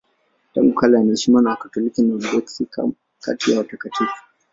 Tangu kale anaheshimiwa na Wakatoliki na Waorthodoksi kati ya watakatifu.